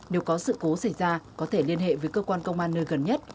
nếu có sự cố xảy ra có thể liên hệ với cơ quan công an nơi gần nhất